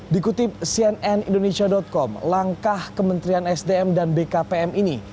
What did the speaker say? dikutip cnnindonesia com langkah kementerian sdm dan bkpm ini